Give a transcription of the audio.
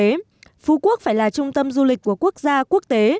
đặc biệt phú quốc phải là trung tâm du lịch của quốc gia quốc tế